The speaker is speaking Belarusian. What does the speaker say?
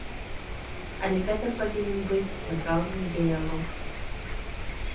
Але гэта павінен быць сапраўдны дыялог.